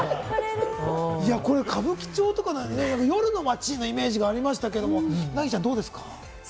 歌舞伎町、夜の街のイメージがありましたけど、凪ちゃん、どうですか？